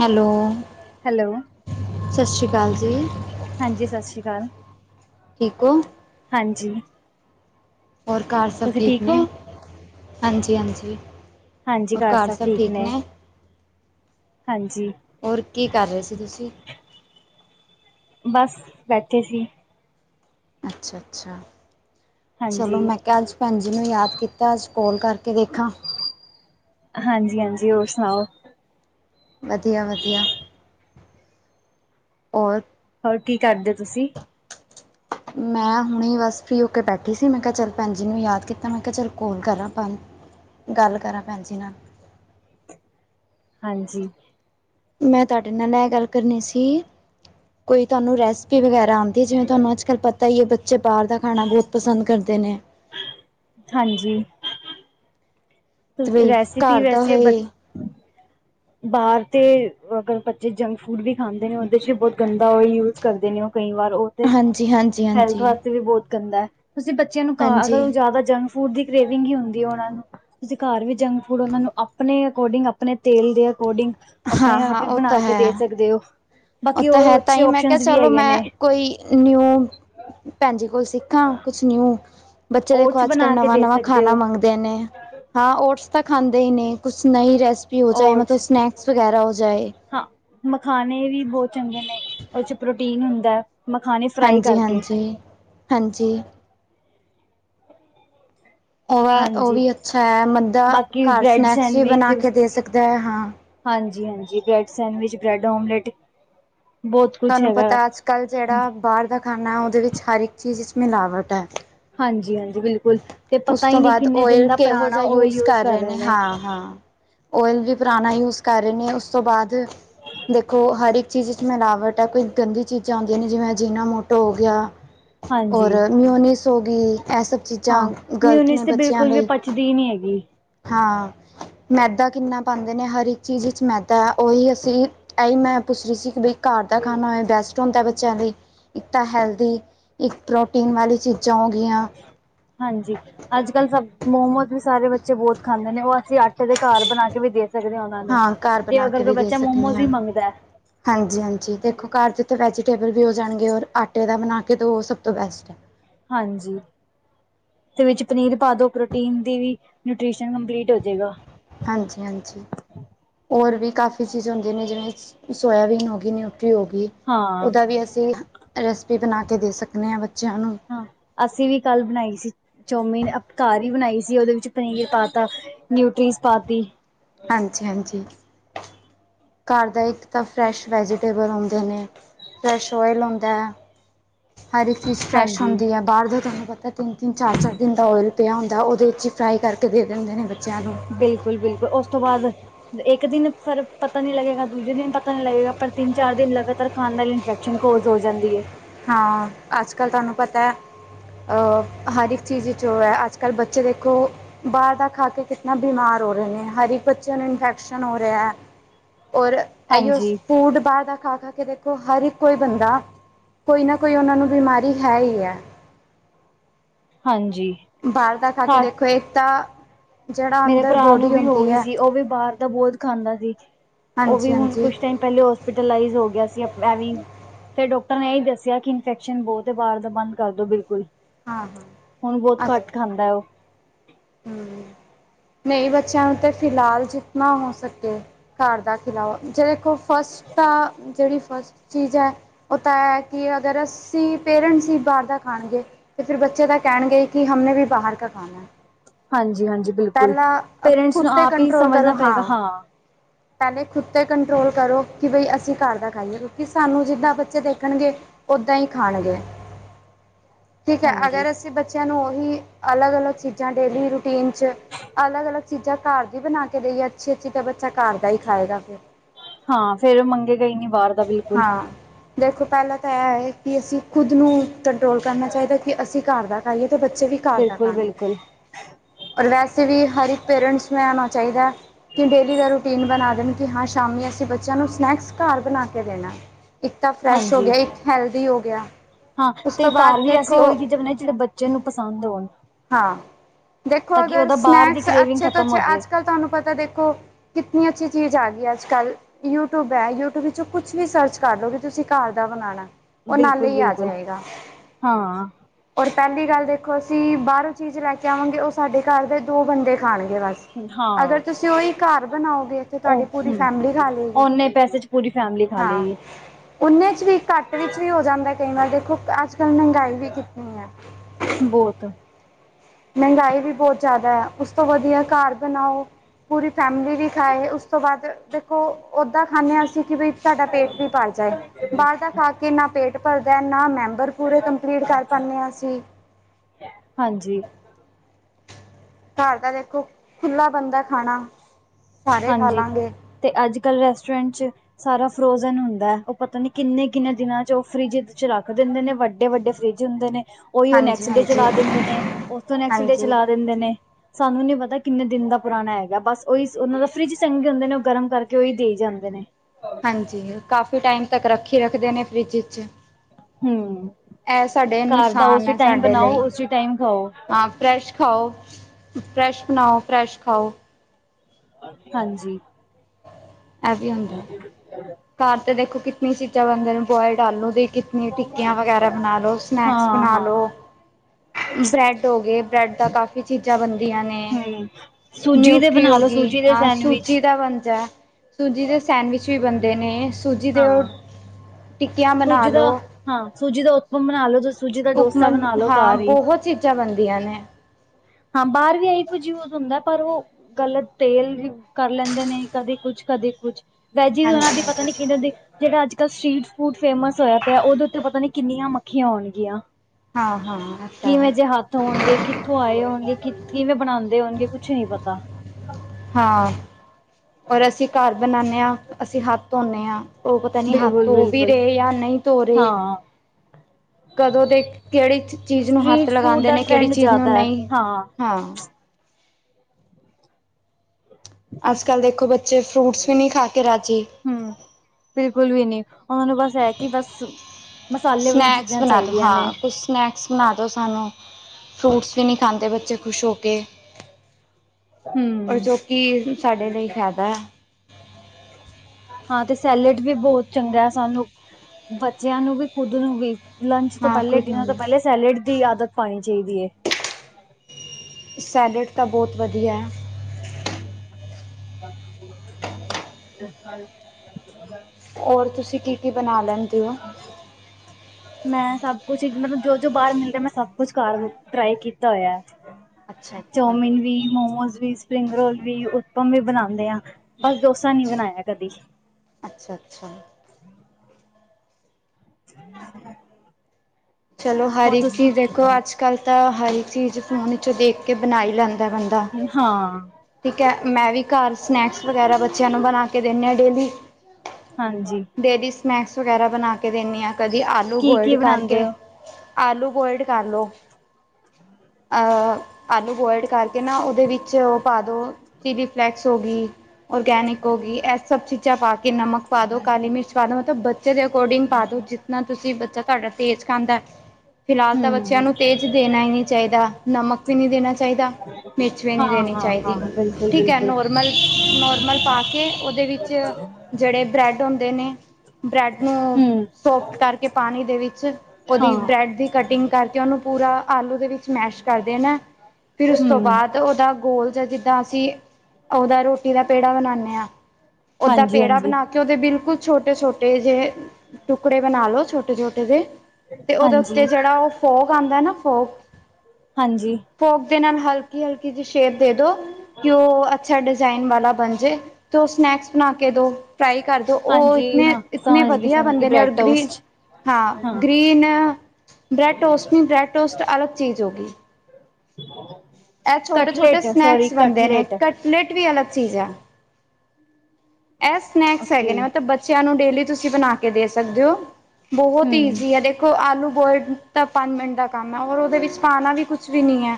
Hello hello ਸਤਿ ਸ੍ਰੀ ਕਾਲ ਜੀ ਹਾਂਜੀ ਸਤਿ ਸ੍ਰੀ ਕਾਲ ਠੀਕ ਹੋ ਹਾਂਜੀ ਹੋਰ ਘਰ ਸਭ ਤੁਸੀਂ ਠੀਕ ਹੋ ਨੇ ਹਾਂਜੀ ਹਾਂਜੀ ਹੋਰ ਘਰ ਸਭ ਠੀਕ ਨੇ ਹਾਂਜੀ ਹੋਰ ਕੀ ਕਰ ਰਹੇ ਸੀ ਤੁਸੀਂ ਬਸ ਬੈਠੇ ਸੀ। ਅੱਛਾ ਅੱਛਾ ਚਲੋ ਹਾਂਜੀ ਮੈਂ ਕਿਹਾ ਅੱਜ ਭੈਨ ਜੀ ਨੂੰ ਯਾਦ ਕੀਤਾ ਅੱਜ ਕੋਲ ਕਰਕੇ ਦੇਖਾਂ ਹਾਂਜੀ ਹਾਂਜੀ ਹੋਰ ਸੁਣਾਓ ਵਧੀਆ ਵਧੀਆ ਹੋਰ ਹੋਰ ਕੀ ਕਰਦੇ ੳ ਤੁਸੀਂ ਮੈਂ ਹੁਣੇ ਬਸ ਫਰੀ ਹੋ ਕੇ ਬੈਠੀ ਸੀ ਮੈਂ ਕਿਹਾ ਚੱਲ ਭੈਨ ਜੀ ਨੂੰ ਯਾਦ ਕੀਤਾ ਮੈਂ ਕਿਹਾ ਚੱਲ ਕੋਲ ਕਰਾਂ ਗੱਲ ਕਰਾਂ ਭੈਨ ਜੀ ਨਾਲ ਹਾਂਜੀ। ਮੈਂ ਤੁਹਾਡੇ ਨਾਲ ਇਹ ਗੱਲ ਕਰਨੀ ਸੀ ਕੋਈ ਤੁਹਾਨੂੰ ਰੈਸਪੀ ਵਗੈਰਾ ਆਂ ਤੇ ਜਿਵੇਂ ਤੁਹਾਨੂੰ ਅੱਜ ਕੱਲ੍ਹ ਪਤਾ ਹੀ ਹੈ ਬੱਚੇ ਬਾਰ ਦਾ ਖਾਣਾ ਬੋਤ ਪਸੰਦ ਕਰਦੇ ਨੇ। ਹਾਂਜੀ। ਤੇ ਬਈ ਰੈਸਿਪੀ ਘਰ ਦਾ ਵੈਸੇ ਬ ਹੋਏ ਬਾਹਰ ਤੇ ਅਗਰ ਬੱਚੇ ਜੰਕ ਫੂਡ ਵੀ ਖਾਂਦੇ ਨੇ ਉਹਦੇ ਚ ਬੋਤ ਗੰਦਾ ਆਇਲ ਯੂਜ ਕਰਦੇ ਨੇ ਉਹ ਕਈ ਵਾਰ ਉਹ ਤੇ ਹਾਂਜੀ ਹਾਂਜੀ ਹੈਲਥ ਹਾਂਜੀ ਵਾਸਤੇ ਵੀ ਬਹੁਤ ਗੰਦਾ ਤੁਸੀਂ ਬੱਚਿਆਂ ਨੂੰ ਹਾਂਜੀ ਘਰ ਜੈਦਾ ਜੰਕ ਫੂਡ ਦੀ ਕਰ੍ਰੇਵਿੰਗ ਹੀ ਹੁੰਦੀ ਉਹਨਾਂ ਨੂੰ ਤੁਸੀਂ ਘਰ ਵੀ ਜੰਕ ਫੂਡ ਉਹਨਾਂ ਨੂੰ ਅਪਨੇ ਅਕੋਰਡਿੰਗ ਅਪਨੇ ਤੇਲ ਦੇ ਅਕੋਰਡਿੰਗ ਹਾਂ ਅਪਣੇ ਹਾਂ ਆਪ ਹੀ ਉਹ ਬਣਾ ਤਾਂ ਕੇ ਹੈ ਦੇ ਸਕਦੇ ੳ। ਉਹ ਬਾਕੀ ਤਾਂ ਹੋਰ ਹੈ ਤਾਂ ਅੱਛੇ ਹੀ ਮੈਂ ਕਿਹਾ ਓਪਸ਼ਨ ਵੀ ਚਲੋ ਹੈਗੇ ਮੈਂ ਨੇ। ਕੋਈ ਨਿਊ ਭੈਨ ਜੀ ਕੋਲ ਸਿੱਖਾਂ ਕੁਛ ਨਿਊ ਬੱਚੇ ਦੇਖੋ ਓਟਸ ਅੱਜ ਕੱਲ ਬਣਾ ਕੇ ਨਵਾਂ ਦੇ ਨਵਾਂ ਸਕਦੇ ਖਾਨਾ ਹੋ ਮੰਗ ਨੇ ਹਾਂ ਓਟਸ ਤਾਂ ਖਾਂਦੇ ਹੀ ਨੇ ਕੁਛ ਨਈ ਰੈਸਪੀ ਹੋ ਜਾਏ ਮਤਬ ਓਟਸ ਸਨੈਕ ਵਗੈਰਾ ਹੋ ਜਾਏ ਹਾਂ, ਮਖਾਣੇ ਵੀ ਬਹੁਤ ਚੰਗੇ ਨੇ, ਉਹ 'ਚ ਪ੍ਰੋਟੀਨ ਹੁੰਦਾ ਮਖਾਨੇ ਫਰਾਈ ਹਾਂਜੀ ਕਰਕੇ ਹਾਂਜੀ ਹਾਂਜੀ ਉਹ, ਉਹ ਹਾਂਜੀ ਵੀ ਅੱਛਾ ਐ, ਬੰਦਾ ਬਾਕੀ ਘਰ ਬ੍ਰੈਡ ਸਨੈਕਸ ਵੀ ਸੈਂਡਵਿਚ ਬਣਾ ਕੇ ਦੇ ਸਕਦਾ ਐ, ਹਾਂ ਹਾਂਜੀ- ਹਾਂਜੀ ਬ੍ਰੈਡ ਸੈਂਡਵਿਚ ਬ੍ਰੈਡ ਆਮਲੇਟ ਤੁਹਾਨੂੰ ਪਤਾ ਅੱਜ -ਕੱਲ ਜੇੜਾ ਬਾਹਰ ਦਾ ਖਾਨਾ, ਉਹਦੇ ਵਿੱਚ ਹਰ ਇੱਕ ਚੀਜ਼ ਵਿੱਚ ਮਿਲਾਵਟ ਐ ਹਾਂਜੀ- ਹਾਂਜੀ ਬਿਲਕੁਲ ਤੇ ਉਸ ਪਤਾ ਤੋਂ ਹੀ ਨਹੀਂ ਬਾਅਦ ਕਿੰਨੇ ਦਿਨ ਆਇਲ ਦਾ ਕਿਹੋ ਪੁਰਾਣਾ ਜਿਹਾ ਓਇਲ ਯੂਜ ਕਰ ਰਹੇ ਨੇ, ਹਾਂ- ਹਾਂ ਆਇਲ ਵੀ ਪੁਰਾਣਾ ਯੂਜ ਕਰ ਰਹੇ ਨੇ ਉਸ ਤੋਂ ਬਾਅਦ, ਦੇਖੋ ਹਰ ਇੱਕ ਚੀਜ਼ਾ 'ਚ ਮਿਲਾਵਟ ਐ, ਕੋਈ ਗੰਦੀ ਚੀਜ਼ਾਂ ਆਉਂਦੀਆਂ ਨੇ, ਜਿਵੇਂ ਅਜੀਨਾ ਮੋਟੋ ਹੋ ਗਿਆ, ਔਰ ਹਾਂਜੀ ਮਿਊਨੀਸ ਹੋ ਗਈ, ਐਹ ਸਭ ਚੀਜ਼ਾਂ ਗ਼ਲਤ ਮਿਊਨੀਇਸ ਨੇ ਤੇ ਬੱਚਿਆਂ ਬਿਲਕੁਲ ਵੀ ਲਈ ਪਚਦੀ ਨਹੀਂ ਹੈਗੀ ਹਾਂ, ਮੈਦਾ ਕਿੰਨਾ ਪਾਉਂਦੇ ਨੇ ਹਰ ਇੱਕ ਚੀਜ਼ ਵਿੱਚ ਮੈਦਾ, ਉਹੀ ਅਸੀਂ ਐਹੀ ਮੈਂ ਪੁੱਛ ਰਹੀ ਸੀ ਕਿ ਬਈ ਘਰ ਦਾ ਖਾਣਾ ਹੋਏ ਬੈਸਟ ਇਕ ਹੁੰਦਾ ਬੱਚਿਆਂ ਲਈ, ਇੱਕ ਤਾਂ ਹੈਲਦੀ, ਇੱਕ ਪ੍ਰੋਟੀਨ ਵਾਲੀ ਚੀਜ਼ਾਂ ਹੋ ਗਈਆਂ ਹਾਂਜੀ ਅੱਜ -ਕੱਲ ਸਭ ਮੋਮੋਸ ਵੀ ਸਾਰੇ ਬੱਚੇ ਬਹੁਤ ਖਾਂਦੇ ਨੇ, ਉਹ ਅਸੀਂ ਆਟੇ ਦੇ ਘਰ ਬਣਾ ਕੇ ਵੀ ਦੇ ਸਕਦੇ ਹੋਰ ਖਾਲੋ, ਹਾਂ ਘਰ ਜੇ ਬਣਾ ਕੇ ਅਗਰ ਕੋਈ ਵੀ ਦੇ ਬੱਚਾ ਸਕਦੀ ਮੋਮੋਸ ਹਾਂ ਹੀ ਮੰਗਦਾ ਹਾਂਜੀ- ਹਾਂਜੀ ਦੇਖੋ ਘਰ ਦੇ ਤਾਂ ਵੈਜੀਟੇਬਲ ਵੀ ਹੋ ਜਾਣਗੇ, ਔਰ ਆਟੇ ਦਾ ਬਣਾ ਕੇ ਤਾਂ ਉਹ ਸਭ ਤੋਂ ਬੈਸਟ ਐ ਹਾਂਜੀ ਤੇ ਵਿੱਚ ਪਨੀਰ ਪਾ ਦੋ ਪ੍ਰੋਟੀਨ ਦੀ ਵੀ, ਨਿਊਟੀਸ਼ਨ ਕੰਪਲੀਟ ਹੋ ਜਏਗਾ ਹਾਂਜੀ- ਹਾਂਜੀ ਔਰ ਵੀ ਕਾਫੀ ਚੀਜ਼ ਹੁੰਦੀਆਂ ਨੇ, ਜਿਵੇਂ ਸੋਇਆਬੀਨ ਹੋ ਗਈ, ਨਿਊਟਰੀ ਹੋ ਗਈ ਹਾਂ ਉਹਦਾ ਵੀ ਅਸੀਂ, ਰੈਸਪੀ ਬਣਾ ਕੇ ਦੇ ਸਕਦੇ ਆਂ, ਬੱਚਿਆਂ ਨੂੰ ਹਾਂ, ਅਸੀਂ ਵੀ ਕੱਲ ਬਣਾਈ ਸੀ ਚੌਮੀਨ, ਘਰ ਈ ਬਣਾਈ ਸੀ, ਉਹਦੇ ਵਿੱਚ ਪਨੀਰ ਪਾਤਾ, ਨਿਊਟਰੀਸ ਪਾਤੀ ਹਾਂਜੀ- ਹਾਂਜੀ, ਘਰ ਦਾ ਇੱਕ ਤਾਂ ਫਰੈਸ਼ ਵੈਜੀਟੇਬਲ ਹੁੰਦੇ ਨੇ ਫਰੈਸ਼ ਓਇਲ ਹੁੰਦਾ, ਹਰ ਇੱਕ ਚੀਜ਼ ਫਰੈਸ਼ ਹਾਂਜੀ ਹੁੰਦੀ ਐ ਬਾਹਰ ਦਾ ਤੁਹਾਨੂੰ ਪਤਾ ਤਿੰਨ- ਤਿੰਨ, ਚਾਰ- ਚਾਰ ਦਿਨ ਦਾ ਆਇਲ ਪਿਆ ਹੁੰਦਾ, ਉਹਦੇ ਵਿੱਚ ਹੀ ਫਰਾਈ ਕਰਕੇ ਦੇ ਦਿੰਦੇ ਨੇ ਬੱਚਿਆਂ ਨੂੰ ਬਿਲਕੁਲ- ਬਿਲਕੁਲ ਉਸ ਤੋਂ ਬਾਦ ਇੱਕ ਦਿਨ ਪਰ ਪਤਾ ਨਹੀਂ ਲੱਗੇਗਾ, ਦੂਜੇ ਦਿਨ ਪਤਾ ਨਹੀ ਲੱਗੇਗਾ, ਪਰ ਤਿੰਨ- ਚਾਰ ਦਿਨ ਲਗਾਤਾਰ ਖਾਣ ਵਾਲੀ ਇਨਫੈਕਸ਼ਨ ਕੋਜ ਹੋ ਜਾਂਦੀ ਏ ਹਾਂ, ਅੱਜ- ਕੱਲ ਤੁਹਾਨੂੰ ਪਤਾ ਅਹ, ਹਰ ਇੱਕ ਚੀਜ਼ 'ਚ ਉਹ ਐ, ਅੱਜ- ਕੱਲ ਬੱਚੇ ਦੇਖੋ ਬਾਹਰ ਦਾ ਖਾ ਕੇ ਕਿਤਨਾ ਬਿਮਾਰ ਹੋ ਰਹੇ ਨੇ, ਹਰ ਇੱਕ ਬੱਚੇ ਨੂੰ ਇਨਫੈਕਸ਼ਨ ਹੋ ਰਿਹਾ ਐ ਔਰ, ਐਹੀਓ, ਹਾਂਜੀ ਫੂਡ ਬਾਹਰ ਦਾ ਖਾ- ਖਾ ਕੇ ਦੇਖੋ ਹਰ ਇੱਕ ਕੋਈ ਬੰਦਾ ਕੋਈ ਨਾ ਕੋਈ ਉਹਨਾਂ ਨੂੰ ਬਿਮਾਰੀ ਹੈ ਹੀ ਐ ਹਾਂਜੀ ਬਾਹਰ ਦਾ ਖਾ ਕੇ ਹਾਂ ਦੇਖੋ ਇੱਕ ਤਾਂ ਜਿਹੜਾ ਮੇਰੇ ਅੰਦਰ ਭਰਾ ਨੂੰ ਬੋਡੀ ਵੀ ਹੋ ਹੁੰਦੀ ਗਈ ਹੈ ਸੀ, ਉਹ ਵੀ ਬਾਰ ਇੱਕ ਤਾਂ ਬਹੁਤ ਖਾਂਦਾ ਸੀ, ਉਹ ਹਾਂਜੀ ਵੀ ਹੁਣ ਹਾਂਜੀ ਕੁਛ ਟੈਮ ਪਹਿਲੇ ਹੋਸਪੀਟਲਾਈਜ਼ ਹੋ ਗਿਆ ਸੀ ਅਪ ਮੈਂ ਵੀ, ਫਿਰ ਡੋਕਟਰ ਨੇ ਇਹੀ ਦੱਸਿਆ ਕਿ ਇਨਫੈਕਸ਼ਨ ਬਹੁਤ ਐ, ਬਾਹਰ ਦਾ ਬੰਦ ਕਰਦੋ ਬਿਲਕੁਲ ਹਾਂ ਹਾਂ ਹੁਣ ਬਹੁਤ ਅਸ ਘੱਟ ਖਾਂਦਾ, ਓ ਹਮ ਮੇਰੇ ਬੱਚਿਆਂ ਨੂੰ ਤਾਂ ਫਿਲਹਾਲ ਜਿੱਤਣਾ ਹੋ ਸਕੇ, ਘਰ ਦਾ ਖਿਲਾਓ, ਜੇੜਾ ਦੇਖੋ ਫਸਟ ਆ, ਜਿਹੜੀ ਫਸਟ ਚੀਜ਼ ਐ, ਉਹ ਤਾਂ ਹੈ ਕਿ ਅਗਰ ਅਸੀਂ ਪੇਰੈਂਟਸ ਈ ਬਾਹਰ ਦਾ ਖਾਣਗੇ। ਤੇ ਫਿਰ ਬੱਚੇ ਤਾਂ ਕਹਿਣਗੇ ਕਿ [inaudible] ਵੀ ਬਾਹਰ ਕਾ ਖਾਣਾ ਏ। ਹਾਂਜੀ-ਹਾਂਜੀ ਬਿਲਕੁਲ, ਪੇਰੈਂਟਸ ਖੁਦ ਨੂੰ 'ਤੇ ਆਪ ਈ ਕੰਟਰੋਲ ਸਮਝਣਾ ਕਰੋ ਪਏਗਾ, ਹਾਂ ਹਾ। ਪਹਿਲੇ ਖੁਦ 'ਤੇ ਕੰਟਰੋਲ ਕਰੋ ਕਿ ਬਈ ਅਸੀਂ ਘਰ ਦਾ ਖਾਈਏ, ਕਿਉਂਕਿ ਸਾਨੂੰ ਜਿੱਦਾਂ ਬੱਚੇ ਦੇਖਣਗੇ ਓਦਾਂ ਈ ਖਾਣਗੇ। ਠੀਕ ਐ, ਹਾਂਜੀ ਅਗਰ ਅਸੀਂ ਬੱਚਿਆਂ ਨੂੰ ਉਹੀ ਅਲੱਗ-ਅਲੱਗ ਚੀਜ਼ਾਂ ਡੇਲੀ ਰੂਟੀਨ'ਚ ਅਲੱਗ-ਅਲੱਗ ਚੀਜ਼ਾਂ ਘਰ ਦੀ ਬਣਾਕੇ ਦੇਈਏ ਅੱਛੀ-ਅੱਛੀ ਤਾਂ ਬੱਚਾ ਘਰ ਦਾ ਈ ਖਾਏਗਾ ਫਿਰ। ਹਾਂ, ਫੇਰ ਮੰਗੇਗਾ ਈ ਨੀ। ਬਾਹਰ ਦਾ ਬਿਲਕੁਲ ਹਾਂ, ਦੇਖੋ ਪਹਿਲਾਂ ਤਾਂ ਐ ਏ ਕਿ ਅਸੀਂ ਖੁੱਦ ਨੂੰ ਕੰਟਰੋਲ ਕਰਨਾ ਚਾਹੀਦਾ ਕਿ ਅਸੀਂ ਘਰ ਦਾ ਖਾਈਏ, ਤੇ ਬੱਚੇ ਵੀ ਘਰ ਦਾ ਬਿਲਕੁਲ ਖਾਣ। ਬਿਲਕੁਲ ਔਰ ਵੈਸੇ ਵੀ, ਹਰ ਇੱਕ ਪੇਰੈਂਟਸ ਨੂੰ ਐ ਹੋਣਾ ਚਾਹੀਦਾ ਕਿ ਡੇਲੀ ਦਾ ਰੂਟੀਨ ਬਣਾ ਦੇਣ, ਕਿ ਹਾਂ ਸ਼ਾਮੀ ਅਸੀਂ ਬੱਚਿਆਂ ਨੂੰ ਸਨੈਕਸ ਘਰ ਬਣਾ ਕਿ ਦੇਣਾ, ਐ ਇੱਕ ਤਾਂ ਫਰੈਸ਼ ਹਾਂਜੀ ਹੋਗਿਆ, ਇੱਕ ਹੈਲਦੀ ਹੋਗਿਆ। ਹਾਂ, ਤੇ ਘਰ ਵੀ ਅਸੀ ਉਹੀ ਚੀਜ਼ਾਂ ਬਣਾਈ ਜਿਹੜੇ ਬੱਚੇ ਨੂੰ ਪਸੰਦ ਹੋਣ। ਹਾਂ, ਦੇਖੋ ਤਾਂ ਕਿ ਅਗਰ ਉਹਦਾ ਬਾਹਰ ਦੀ ਸਨੈਕਸ ਕਰੇਵਿੰਗ ਅੱਛੇ ਤੋਂ ਖਤਮ ਅੱਛੇ ਹੋ ਜਾਵੇ ਅੱਜ-ਕੱਲ ਤੁਹਾਨੂੰ ਪਤਾ ਦੇਖੋ ਕਿਤਨੀ ਅੱਛੀ ਚੀਜ਼ ਆ ਗਈ ਅੱਜ-ਕੱਲ ਯੂਟਿਊਬ ਐ, ਯੂਟਿਊਬ ਵਿੱਚੋਂ ਕੁਛ ਵੀ ਸਰਚ ਕਰ ਲਉ ਕਿ ਤੁਸੀਂ ਘਰ ਦਾ ਬਣਾਣਾ। ਉਹ ਨਾਲੇ ਬਿਲਕੁਲ ਈ ਆ ਬਿਲਕੁਲ ਜਾਏਗਾ। ਹਾਂ ਔਰ ਪਹਿਲੀ ਗੱਲ ਦੇਖੋ ਅਸੀਂ ਬਾਹਰੋਂ ਚੀਜ਼ ਲੈਕੇ ਆਵਾਂਗੇ, ਉਹ ਸਾਡੇ ਘਰ ਦੇ ਦੋ ਬੰਦੇ ਖਾਣਗੇ ਬਸ। ਅਗਰ ਹਾਂ ਤੁਸੀਂ ਓਈ ਘਰ ਬਣਾਓਗੇ, ਤਾ ਉਹ ਤੁਹਾਡੀ ਪੂਰੀ ਹਮ ਫੈਮਲੀ ਖਾਲੇਗੀ। ਓਨੇ ਪੈਸੇ ਚ ਪੂਰੀ ਫੈਮਿਲੀ ਖਾਲੇਗੀ। ਉਨੇ 'ਚ ਵੀ ਘੱਟ ਵਿੱਚ ਵੀ ਹੋ ਜਾਂਦਾ ਕਈ ਵਾਰ, ਦੇਖੋ ਅੱਜ-ਕੱਲ ਮਹਿੰਗਾਈ ਵੀ ਕਿਤਨੀ ਐ। ਤਾਂ ਮਹਿੰਗਾਈ ਵੀ ਬਹੁਤ ਜ਼ਿਆਦਾ ਐ, ਉਸ ਤੋਂ ਵਧੀਆ ਘਰ ਬਨਾਓ। ਪੂਰੀ ਫੈਮਿਲੀ ਵੀ ਖਾਏ ਉਸ ਤੋਂ ਬਾਅਦ ਦੇਖੋ ਓਦਾਂ ਖਾਂਨੇ ਆ, ਅਸੀਂ ਕਿ ਬਈ ਸਾਡਾ ਪੇਟ ਵੀ ਭਰ ਜਾਏ, ਬਾਹਰ ਦਾ ਖਾਕੇ ਨਾ ਪੇਟ ਭਰ ਨਾ ਮੈਂਬਰ ਪੂਰੇ ਕੰਪਲੀਟ ਕਰ ਪਾਂਨੇ ਆ, ਅਸੀਂ। ਹਾਂਜੀ। ਘਰ ਦਾ ਦੇਖੋ ਖੁੱਲਾ ਬਨਦਾ ਖਾਣਾ। ਸਾਰੇ ਖਾ ਹਾਂਜੀ, ਲਾਂਗੇ ਤੇ ਅੱਜ-ਕੱਲ ਰੈਸਟੋਰੈਂਟ'ਚ ਸਾਰਾ ਫ੍ਰੋਜਨ ਹੁੰਦਾ, ਉਹ ਪਤਾ ਨੀ ਕਿੰਨੇ-ਕਿੰਨੇ ਦਿਨਾਂ'ਚ ਉਹ ਫਰਿੱਜ'ਚ ਰੱਖ ਦਿੰਦੇ ਨੇ ਵੱਡੇ-ਵੱਡੇ ਫਰਿੱ ਹੁੰਦੇ ਨੇ ਉਹੀ ਉਹ ਹਾਂਜੀ ਨੈਕਸਟ ਡੇ ਹਾਂਜੀ ਚਲਾ ਦਿੰਦੇ ਨੇ, ਉਸ ਤੋਂ ਨੈਕਸਟ ਡੇ ਹਾਂਜੀ ਚਲਾ ਦਿੰਦੇ ਨੇ, ਸਾਨੂੰ ਨੀ ਪਤਾ ਕਿੰਨੇ ਦਿਨ ਦਾ ਪੁਰਾਣਾ ਹੈਗਾ, ਬਸ ਓਈ ਉਹਨਾਂ ਦਾ ਫਰਿੱਜ ਚੰਗੇ ਹੁੰਦੇ ਨੇ, ਉਹ ਗਰਮ ਕਰਕੇ ਉਹੀ ਦੇਈ ਜਾਂਦੇ ਨੇ। ਹਾਂਜੀ, ਕਾਫੀ ਟਾਈਮ ਤੱਕ ਰੱਖੀ ਰੱਖਦੇ ਨੇ ਫਰਿੱਜ ਈੱਚ। ਹਮ ਐ ਸਾਡੇ ਘਰ ਦਾ ਨੁਕਸਾਨ ਉਸੇ ਏ, ਟਾਈਮ ਸਾਡੇ ਲਈ। ਬਣਾਓ ਉਸੇ ਟਾਈਮ ਖਾਓ ਹਾਂ, ਫਰੈਸ਼ ਖਾਓ, ਫਰੈਸ਼ ਬਣਾਓ, ਫਰੈਸ਼ ਖਾਓ। ਹਾਂਜੀ। ਐ ਵੀ ਹੁੰਦਾ, ਘਰ ਤੇ ਦੇਖੋ ਕਿਨੀ ਚੀਜ਼ਾਂ ਬੰਨਦੇ ਨੇ ਬੌਇਲਡ ਆਲੂ ਦੀ ਆਪ ਟਿੱਕੀਆਂ ਵਗੈਰਾ ਬਣਾਲੋ, ਸਨੈਕਸ ਹਾਂ ਹਾਂ ਬਣਾਲੋ। ਬ੍ਰੈਡ ਹੋ ਗਏ, ਬ੍ਰੈਡ ਦਾ ਕਾਫੀ ਚੀਜ਼ਾਂ ਬਣਦੀਆਂ ਨੇ। ਹਮ ਸੂਜੀ ਦੇ ਨਿਊਟਰੀ ਬਣਾ ਲੋ ਹੋਗੀ, ਸੂਜੀ ਦੇ ਹਾਂ ਸੈਂਡਵਿਚ ਸੂਜੀ ਦਾ ਬਣਜਾ ਸੂਜੀ ਦੇ ਸੈਂਡਵਿਚ ਵੀ ਬਣਦੇ ਨੇ, ਸੂਜੀ ਦੇ ਉਹ ਹਾਂ ਟਿੱਕੀਆਂ ਬਣਾ ਸੂਜੀ ਦਾ ਲਓ ਹਾਂ ਸੂਜੀ ਦਾ ਉਪਮਨ ਬਣਾ ਲੋ ਤੁਸੀਂ ਉਪਮਨ ਹਾਂ ਬਹੁ ਚੀਜ਼ਾਂ ਬਣਦੀਆਂ ਨੇ‌। ਹਾਂ ਬਾਰ ਵੀ ਏਈ ਕੁਝ ਯੂਜ ਹੁੰਦਾ ਪਰ ਓ ਗਲਤ ਤੇਲ ਵੀ ਕਰ ਲੈਂਦੇ ਨੇ ਕਦੇ ਕੁਛ, ਕਦੇ ਕੁਝ ਵੈਜੀਸ ਹਾਂਜੀ ਉਨਾਂ ਦੀ ਪਤਾ ਹਾਂਜੀ ਨੀ ਕਿੱਧਰ ਦੀ ਜੇੜਾ ਅੱਜ-ਕੱਲ ਸਟ੍ਰੀਟ ਫੂਡ ਫੇਮਸ ਹੋਇਆ ਪਿਆ ਉਦੇ ਉੱਤੇ ਪਤਾ ਨੀ ਕਿੰਨੀਆਂ ਮੱਖੀਆਂ ਹੋਣਗੀਆਂ। ਹਾਂ ਹਾਂ ਇਹ ਤਾਂ ਕਿਵੇਂ ਹੈ ਜੇ ਹੱਥ ਹੋਣਗੇ, ਕਿੱਥੋਂ ਆਏ ਹੋਣ ਥੀਵੇ ਬਣਾਂਦੇ ਹੋਣਗੇ ਕੁਛ ਨੀ ਪਤਾ। ਹਾਂ, ਅੋਰ ਅਸੀਂ ਘਰ ਬਣਾਨੇ ਆ ਅਸੀਂ ਹੱਥ ਧੋਨੇ ਆ ਓ ਪਤਾ ਨੀ ਹੱਥ ਬਿਲਕੁਲ ਧੋ ਵੀ ਬਿਲਕੁਲ ਰੇ ਯਾ ਨਈ ਧੋ ਰੇ ਹਾਂ ਕਦੋਂ ਦੇ ਕੇੜੀ ਚੀਜ਼ ਨੂੰ ਹੱਥ ਸਟਰੀਟ ਫੂਡ ਲਗਾਂਦੇ ਦਾ ਨੇ, ਕੇੜੀ ਟਰੈਂਡ ਚੀਜ਼ ਨੂੰ ਜ਼ਿਆਦਾ ਹੈ ਨਈ ਹਾਂ। ਅੱਜ-ਕੱਲ ਦੇਖੋ ਬੱਚੇ ਫਰੂਟਸ ਵੀ ਨੀ ਖਾ ਕੇ ਰਾਜ਼ੀ। ਹੂੰ ਬਿਲਕੁੱਲ ਵੀ ਨੀ ਉਨਾਂ ਨੂੰ ਬਸ ਐ ਕਿ ਬਸ ਮਸਾਲੇ ਵਾਲੀ ਸਨੈਕਸ ਚੀਜ਼ਾਂ ਬਣਾ ਦੋ ਚਾਹੀਦੀਆਂ ਨੇ। ਹਾਂ ਕੁਸ਼ ਸਨੈਕਸ ਬਣਾ ਦੋ ਸਾਨੂੰ ਫਰੂਟਸ ਵੀ ਨੀ ਖਾਂਦੇ ਬੱਚੇ ਖੁਸ਼ ਹੋ ਕੇ। ਓ ਹੂੰ। ਚੋਂ ਕਿ ਸਾਡੇ ਲਈ ਫ਼ਾਇਦੈ ਹਾਂ ਤੇ ਸੈਲੇਡ ਵੀ ਬਹੁ ਚੰਗਾ ਐ ਸਾਨੂੰ ਬੱਚਿਆਂ ਨੂੰ ਵੀ, ਖ਼ੁਦ ਨੂੰ ਵੀ। ਲੰਚ ਤੋਂ ਹਾਂ ਪੈਲੇ ਖੁਦ ਨੂੰ ਡਿਨਰ ਵੀ ਤੋਂ ਪੈਲੇ ਸੈਲੇਡ ਦੀ ਆਦਤ ਪਾਣੀ ਚਾਈਦੀ ਏ। ਸੈਲਡ ਤਾਂ ਬੋਤ ਵਧੀਆ ਐ। [inaudible] ਔਰ ਤੁਸੀਂ ਕੀ-ਕੀ ਬਣਾ ਲੈਂਦੇ ਓ? ਮੈਂ ਸਭ ਕੁਛ ਈ ਮਤਲਬ ਜੋ-ਜੋ ਬਾਰ ਮਿਲਦਾ ਮੈਂ ਸਭ ਕੁਛ ਘਰ ਟਰਾਏ ਕੀਤਾ ਹੋਇਆ ਐ। ਅੱਛਾ ਅੱਛਾ ਚੋਮਿਨ ਵੀ, ਮੋਮੋਸ ਵੀ, ਸਪਰਿੰਗ ਰੋਲ ਵੀ, ਉਪਮ ਵੀ ਬਣਾਦੇ ਆ। ਬਸ ਡੋਸਾ ਨਈ ਬਣਾਇਆ ਕਦੀ। ਅੱਛਾ-ਅੱਛਾ। [inaudible] ਚਲੋ ਹਰ ਹੋਰ ਇੱਕ ਤੁਸੀਂ ਚੀਜ਼ ਦੇਖੋ ਅੱਜ ਕੱਲ ਤਾਂ ਹਰ ਇੱਕ ਚੀਜ਼ ਫ਼ੋਨ ਵਿੱਚੋ ਦੇਖ ਕੇ ਬਣਾਈ ਲੈਂਦਾ ਬੰਦਾ। ਹਾਂ। ਠੀਕ ਐ ਮੈਂ ਵੀ ਘਰ ਸਨੈਕਸ ਵਗੈਰਾ ਬੱਚਿਆਂ ਨੂੰ ਬਣਾ ਕੇ ਦਿੰਨੀ ਆ ਡੇਲੀ। ਹਾਂਜੀ। ਡੈਲੀ ਸਨੈਕਸ ਵਗੈਰਾ ਬਣਾ ਕੇ ਦਿੰਨੀ ਆ ਕਦੀ ਆਲੂ ਬੋਇਲਡ ਕੀ-ਕੀ ਕਰਕੇ ਬਣਾਦੇ ਓ? ਆਲੂ ਬੋਇਲਡ ਕਰਲੋ ਅ ਆਲੂ ਬੋਇਲਡ ਕਰਕੇ ਨਾ ਉਦੇ ਵਿੱਚ ਪਾ ਦੋ ਚੀਲੀ ਫਲੇੈਕਸ ਹੋਗੀ, ਔਰਗੈਨਿਕ ਹੋਗੀ ਐ ਸਭ ਚੀਜ ਚਾ ਪਾ ਕੇ ਨਮਕ ਪਾ ਦੋ, ਕਾਲੀ ਮਿਰਚ ਪਾ ਦੋ ਮਤਲਬ ਬੱਚੇ ਦੇ ਅਕੋਰਡਿੰਗ ਪਾ ਦੋ ਜਿਤਨਾ ਤੁਸੀਂ ਬੱਚਾ ਤੁਹਾਡਾ ਤੇਜ਼ ਖਾਂਦੈ ਫਿਲਹਾਲ ਤਾਂ ਬੱਚਿਆਂ ਹੂੰ, ਨੂੰ ਤੇਜ਼ ਦੇਣਾ ਏ ਨੀ ਚਾਈਦਾ ਨਮਕ ਵੀ ਨਈ ਦੇਣਾ ਚਾਈਦਾ ਮਿਰਚ ਵੀ ਨੀ ਹਾਂ ਦੇਣੀ ਹਾਂ ਹਾਂ ਚਾਈਦੀ ਬਿਲਕੁਲ ਠੀਕ ਐ ਬਿਲਕੁਲ ਨੋਰ ਮਲ ਨੋਰਮਲ ਪਾ ਕੇ ਉਦੇ ਵਿੱਚ ਜੇੜੇ ਬ੍ਰੈਡ ਹੁੰਦੇ ਨੇ ਬ੍ਰੈਡ ਨੂੰ ਹਮ ਸੋਫਟ ਕਰਕੇ ਪਾਣੀ ਦੇ ਵਿੱਚ ਹਾਂ ਉਦੀ ਬ੍ਰੈਡ ਦੀ ਕਟਿੰਗ ਕਰਕੇ ਉਨੂੰ ਪੂਰਾ ਆਲੂ ਦੇ ਵਿੱਚ ਮੈਸ਼ ਕਰ ਦੇਣਾ ਫਿਰ ਉਸ ਤੋਂ ਹਮ ਬਾਅਦ ਉਦਾ ਗੋਲ ਜਾਂ ਜਿੱਦਾਂ ਅਸੀਂ ਉਦਾ ਰੋਟੀ ਦਾ ਪੇੜਾ ਬਣਾਂਨੇ ਆ ਉਦਾ ਹਾਂਜੀ ਪੇੜਾ ਹਾਂਜੀ ਬਣਾ ਕੇ ਉਦੇ ਬਿਲਕੁੱਲ ਛੋਟੇ-ਛੋਟੇ ਜਿਹੇ ਟੁਕੜੇ ਬਣਾ ਲੋ ਛੋਟੇ-ਛੋਟੇ ਜੇ ਤੇ ਉਦੇ ਉੱਤੇ ਜੇੜਾ ਓ ਫੋਗ ਆਂਦੇ ਏ ਨਾ ਫੋ ਹਾਂਜੀ। ਫੋਕ ਦੇ ਨਾਲ ਹਲਕੀ-ਹਲਕੀ ਜਇ ਸ਼ੇਪ ਦੇ ਦੋ, ਕਿ ਉਹ ਅੱਛਾ ਡਿਜ਼ਾਇਨ ਵਾਲਾ ਬਣ ਜੇ। ਤੋਂ ਸਨੈਕਸ ਬਣਾ ਕੇ ਦੋ। ਫਰਾਈ ਕਰ ਦੋ ਉਹ ਹਾਂਜੀ ਇਤਨੇ, ਹਾਂ ਇਤਨੇ ਸਮਝ ਗਈ ਵਧੀਆ ਸਮਝ ਗਈ ਬੰਦੇ ਨੇ ਔਰ ਬ੍ਰੈਡ ਗਰੀ ਟੋਸਟ ਹਾਂ ਗ੍ਰੀਨ, ਬ੍ਰੈਡ ਟੋਸਟ ਨਈ ਬ੍ਰੈਡ ਟੋਸਟ ਅਲੱਗ ਚੀਜ਼ ਹੋਗੀ। ਆਉ ਏਹ ਛੋਟੇ-ਛੋਟੇ ਸਨੈਕਸ ਬਣਦੇ ਨੇ ਕਟਲੇਟ ਵੀ ਅਲੱਗ ਚੀਜ਼ ਐ। ਏਹ ਸਨੈਕਸ ਹੈਗੇ ਓਕੇ ਨੇ ਮਤਲਬ ਬੱਚਿਆਂ ਨੂੰ ਡੇਲੀ ਤੁਸੀਂ ਬਣਾ ਦੇ ਸਕਦੇ ਓ, ਬਹੁਤ ਹੀ ਹਮ ਈਜੀ ਆ ਦੇ ਦੇਖੋ ਆਲੂ ਬੋਇਲਡ, ਦਾ ਪੰਜ ਮਿੰਟ ਦਾ ਕੰਮ ਐ ਔਰ ਉਹਦੇ ਵਿੱਚ ਪਾਣਾ ਵੀ ਕੁਛ ਵੀ ਨਈ ਐ।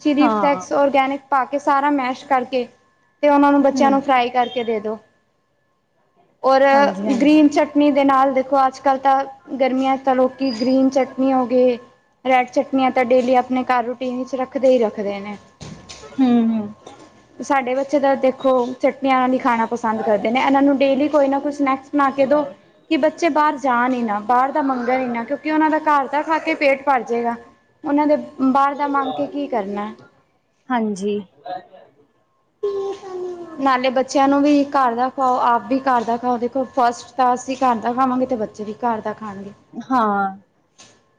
ਚਿਲੀ ਹਾਂ ਫਲੈਕਸ, ਔਰਗੈਨਿਕ, ਪਾ ਕੇ ਸਾਰਾ ਮੈਸ਼ ਕਰਕੇ। ਤੇ ਉਹਨਾਂ ਨੂੰ ਬੱਚਿਆਂ ਨੂੰ ਹਮ ਫਰਾਈ ਕਰਕੇ ਦੇ ਦੋ। ਔਰ, ਹਾਂਜੀ ਹਾਂਜੀ ਗ੍ਰੀਨ ਚੱਟ ਨੀ ਦੇ ਨਾਲ ਦੇਖੋ ਅੱਜ-ਕੱਲ ਤਾਂ, ਗਰਮੀਆਂ ਤਾਂ ਲੋਕੀ ਗ੍ਰੀਨ ਚਟਨੀ ਹੋ ਗਈ। ਰੈਡ ਚਟਨੀਆਂ ਤਾਂ ਡੇਲੀ ਆਪਣੇ ਘਰ ਰੂਟੀਨ ਚ ਰੱਖਦੇ ਹੀ ਰੱਖਦੇ ਨੇ। ਹਮ ਹਮ ਸਾਡੇ ਬੱਚੇ ਦਾ ਦੇਖੋ, ਚਟਨੀਆਂ ਨਾਲ ਹੀ ਖਾਣਾ ਪਸੰਦ ਕਰਦੇ ਨੇ ਇਹਨਾਂ ਨੂੰ ਡੇਲੀ ਕੋਈ ਨਾ ਕੋਈ ਸਨੈਕਸ ਬਣਾ ਕੇ ਦੋ, ਕਿ ਬੱਚੇ ਬਾਰ ਜਾਣ ਈ ਨਾ। ਬਾਰ ਦਾ ਮੰਗਣ ਈ ਨਾ ਕਿਉਂਕਿ ਉਹਨਾਂ ਦਾ ਘਰ ਤਾ ਖਾ ਕੇ ਪੇਟ ਭਰ ਜੇਗਾ, ਉਹਨਾਂ ਨੇ ਬਾਰ ਦਾ ਮੰਗ ਕੇ ਕੀ ਕਰਨਾ। ਹਾਂਜੀ। ਨਾਲੇ ਬੱਚਿਆਂ ਨੂੰ ਵੀ, ਘਰ ਦਾ ਖਾਓ ਆਪ ਵੀ ਘਰ ਦਾ ਖਾਓ ਦੇਖੋ ਫਸਟ ਤਾਂ ਅਸੀਂ ਘਰ ਦਾ ਖਾਵਾਂਗੇ ਤਾਂ ਬੱਚੇ ਵੀ ਘਰ ਦਾ ਖਾਣਗੇ। ਹਾਂ,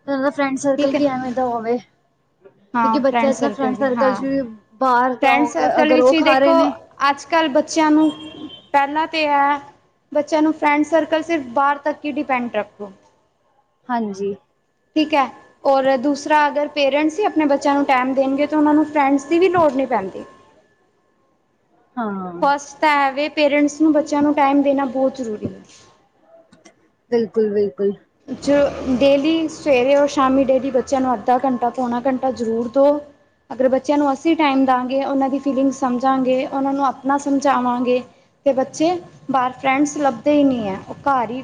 ਉਹਨਾਂ ਦਾ ਫਰੈਂਡ ਸਰਕਲ ਠੀਕ ਹੈ ਵੀ ਐਵੇਂ ਦਾ ਹੋਵੇ। ਕਿਉਂਕਿ ਹਾਂ ਬੱਚੇ ਅੱਜ ਕੱਲ੍ਹ ਫਰੈਂਡ ਵੀ ਸਰਕਲ ਚ ਹਾਂ ਵੀ ਬਾਹਰ ਦਾ ਫਰੈਂਡ ਹੋ ਸਰਕਲ ਅਗਰ ਵਿੱਚ ਉਹ ਵੀ ਖਾ ਰਹੇ ਦੇਖੋ ਨੇ ਅੱਜ ਕੱਲ੍ਹ ਬੱਚਿਆਂ ਨੂੰ ਪਹਿਲਾਂ ਤਾਂ ਹੈ ਬੱਚਿਆਂ ਨੂੰ ਫਰੈਂਡ ਸਰਕਲ ਸਿਰਫ ਬਾਹਰ ਤੱਕ ਹੀ ਡਿਪੈਂਡ ਰੱਖੋ ਹਾਂਜੀ ਠੀਕ ਹੈ ਔਰ ਦੂਸਰਾ ਅਗਰ ਪੇਰੈਂਟਸ ਹੀ ਆਪਣੇ ਬੱਚਿਆਂ ਨੂੰ ਟਾਈਮ ਦੇਣਗੇ ਤਾਂ ਉਹਨਾਂ ਨੂੰ ਫਰੈਂਡਸ ਦੀ ਵੀ ਲੋੜ ਨਹੀਂ ਪੈਂਦੀ ਹਾਂ ਫਸਟ ਤਾਂ ਐਵੇ ਪੇਰੈਂਟਸ ਨੂੰ ਬੱਚਿਆਂ ਨੂੰ ਟਾਈਮ ਦੇਣਾ ਬਹੁਤ ਜ਼ਰੂਰੀ ਹੈ ਬਿਲਕੁਲ ਬਿਲਕੁਲ ਜੋ ਡੇਲੀ ਸਵੇਰੇ ਔਰ ਸ਼ਾਮੀ ਡੇਲੀ ਬੱਚਿਆਂ ਨੂੰ ਅੱਧਾ ਘੰਟਾ ਪੌਣਾ ਘੰਟਾ ਜ਼ਰੂਰ ਦਿਓ ਅਗਰ ਬੱਚਿਆਂ ਨੂੰ ਅਸੀਂ ਟਾਈਮ ਦਵਾਂਗੇ ਉਹਨਾਂ ਦੀ ਫੀਲਿੰਗਸ ਸਮਝਾਂਗੇ ਉਹਨਾਂ ਨੂੰ ਆਪਣਾ ਸਮਝਾਵਾਂਗੇ ਤੇ ਬੱਚੇ ਬਾਹਰ ਫਰੈਂਡਸ ਲੱਭਦੇ ਹੀ ਨਹੀਂ ਹੈ ਉਹ ਘਰ ਹੀ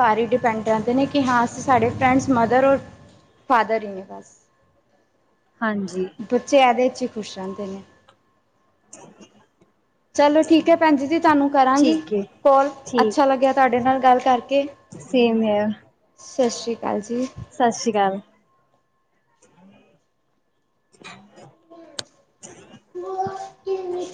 ਘਰ ਹੀ ਡਿਪੈਂਡ ਡਰ ਦੇ ਨੇ ਕਿ ਹਾਂ ਅ ਸਾਡੇ ਫਰੈਂਡਸ ਮਦਰ ਔਰ ਫਾਦਰ ਹੀ ਨੇ ਬਸ ਹਾਂਜੀ ਬੱਚੇ ਇਹਦੇ ਚ ਹੀ ਖੁਸ਼ ਰਹਿੰਦੇ ਨੇ ਚਲੋ ਠੀਕ ਹੈ ਭੈਣ ਜੀ ਤੁਹਾਨੂੰ ਕਰਾਂਗੀ ਠੀਕ ਏ ਕੋਲ ਅੱਛਾ ਠੀਕ ਲੱਗਿਆ ਤੁਹਾਡੇ ਨਾਲ ਗੱਲ ਕਰਕੇ ਸੇਮ ਹੈ ਸਤਿ ਸ਼੍ਰੀ ਅਕਾਲ ਜੀ ਸਤਿ ਸ਼੍ਰੀ ਅਕਾਲ ਭੂਆ ਟੀਵੀ